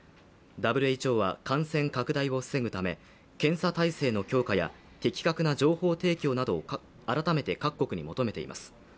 ＷＨＯは感染拡大を防ぐため検査体制の強化や適格な状況提供などを改めて各国に求めています。